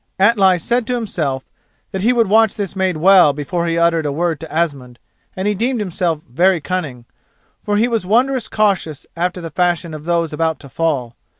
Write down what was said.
Atli said to himself that he would watch this maid well before he uttered a word to Asmund, and he deemed himself very cunning, for he was wondrous cautious after the fashion of those about to fall.